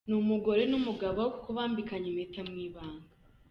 Ni umugore n’umugabo kuko bambikanye impeta mu ibanga.